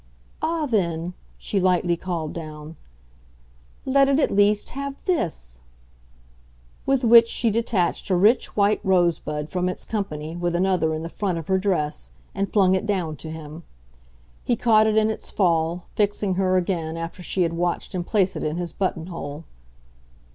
"Ah, then," she lightly called down, "let it at least have THIS!" With which she detached a rich white rosebud from its company with another in the front of her dress and flung it down to him. He caught it in its fall, fixing her again after she had watched him place it in his buttonhole.